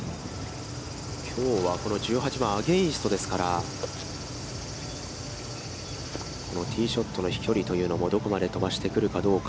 きょうはこの１８番、アゲインストですから、このティーショットの飛距離というのもどこまで飛ばしてくるかどうか。